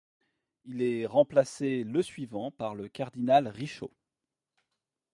Il est remplacé le suivant par le cardinal Richaud.